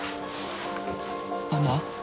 ママ？